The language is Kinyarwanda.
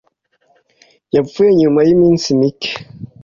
Yapfuye nyuma yiminsi mike.